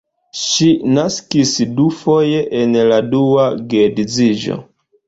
Ŝi naskis dufoje en la dua geedziĝo.